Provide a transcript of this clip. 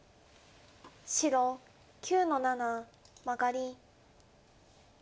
白９の七マガリ。